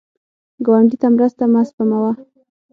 ګاونډي ته مرسته مه سپموه